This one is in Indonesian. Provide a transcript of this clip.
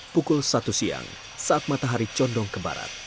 pukul satu siang saat matahari condong ke barat